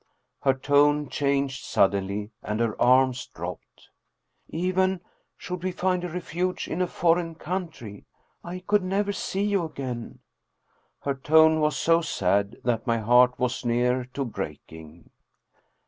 her tone changed suddenly and her arms dropped. " Even should we find a refuge in, a foreign country I could never see you again !" Her tone was so sad that my heart was near to breaking.